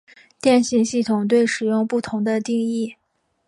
电信系统对使用不同的定义。